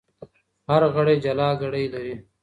هر غړی جلا ګړۍ لري.